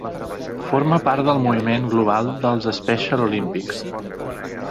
Forma part del moviment global dels Special Olympics.